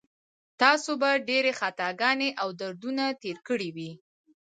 تاسو به ډېرې خطاګانې او دردونه تېر کړي وي.